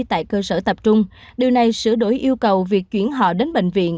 tại cơ sở tập trung điều này sửa đổi yêu cầu việc chuyển họ đến bệnh viện